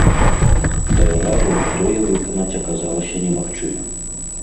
Да жалю, тое выканаць аказалася немагчыма.